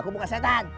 aku bukan setan